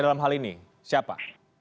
dalam hal ini siapa